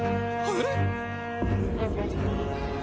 えっ？